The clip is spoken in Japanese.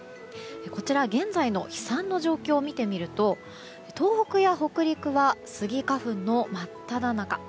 こちら、現在の飛散の状況を見てみると東北や北陸はスギ花粉の真っただ中。